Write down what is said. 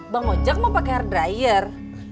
bang ojak mau pakai hair dryer